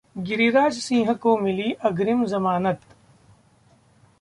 गिरिराज सिंह को मिली अग्रिम जमानत